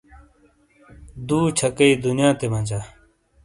دُو چھکئیی دنیاتے مجا۔